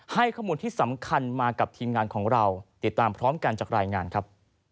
ให้ข้อมูลที่สำคัญมากับทีมงานของเราติดตามพร้อมกันจากรายงานครับ